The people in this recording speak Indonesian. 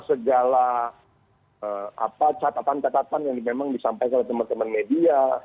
segala catatan catatan yang memang disampaikan oleh teman teman media